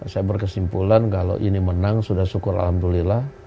saya berkesimpulan kalau ini menang sudah syukur alhamdulillah